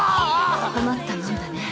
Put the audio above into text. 困ったもんだね。